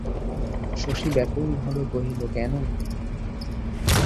শশী ব্যাকুলভাবে কহিল, কেন?